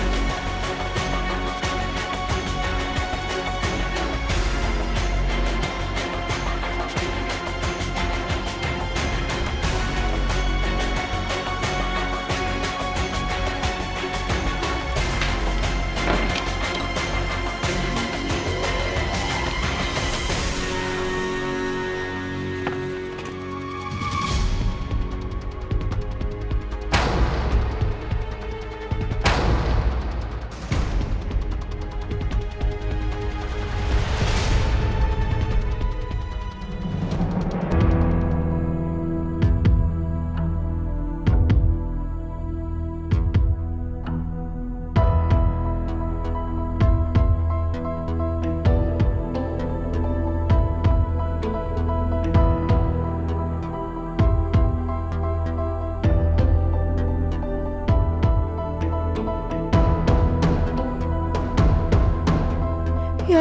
ya allah raja mereka pasti memakan peranja